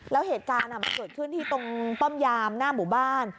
แล้วเหตุการณ์มันเกิดขึ้นที่ตรงป้อมยามหน้าหมู่บ้าน